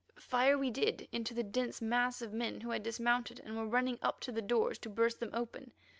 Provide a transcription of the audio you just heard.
Fire we did into the dense mass of men who had dismounted and were running up to the doors to burst them open.